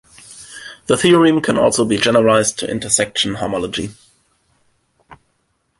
The theorem can also be generalized to intersection homology.